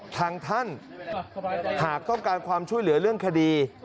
ทางท่านหากต้องการความช่วยเหลือเรื่องคดี